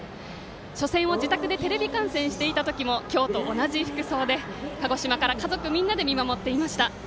初戦を自宅でテレビ観戦していた時も今日と同じ服装で鹿児島から家族みんなで見守っていました。